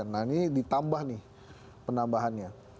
nah ini ditambah nih penambahannya